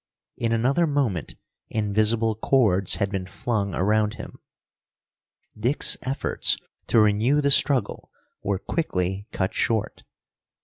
In another moment invisible cords had been flung around him. Dick's efforts to renew the struggle were quickly cut short.